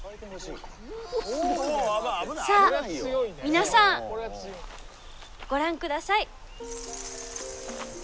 さあ皆さんご覧ください！